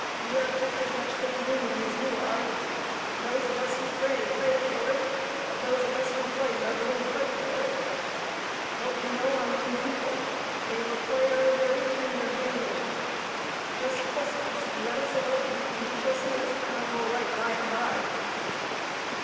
We are just as much for the Union as you are. Those of us who pray, pray for it; those of us who fight, are going to fight for it. But we know our own people. They require very tender handling. Just trust us and let us alone, and you shall see us come out all right by and by."